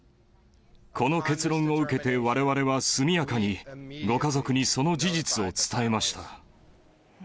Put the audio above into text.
この結論を受けて、われわれは速やかにご家族にその事実を伝えました。